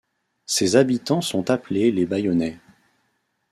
Ses habitants sont appelés les Bayonnais.